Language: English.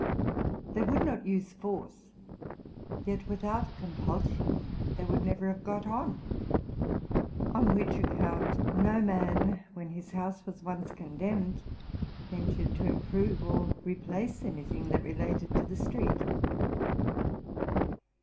They would not use force, yet without compulsion they would never have got on: on which account no man, when his house was once condemned, ven tured to improve or replace any thing that related to the street.